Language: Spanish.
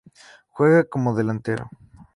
Juega como delantero